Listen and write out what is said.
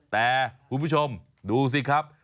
แต่คุณผู้ชมดูสิครับ